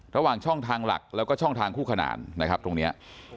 ระหว่างช่องทางหลักแล้วก็ช่องทางคู่ขนานนะครับตรงนี้